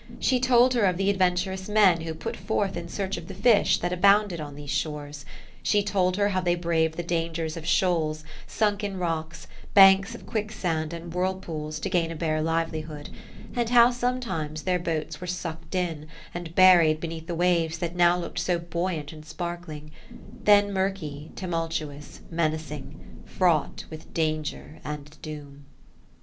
She told her of the adyenturous men who put forth in search of the fish that abounded on tBose shores ; she told her how they braved the dangers of shoals, sunken rocks, banks of quicksand, and whirlpools, to gain a bare livelihood ; and how, sometimes, their boats were sucked in, and buried beneath the waves that now looked so buoyant and sparkling, — then mur ky, tumultuous, menacing ; fraught with danger and doom.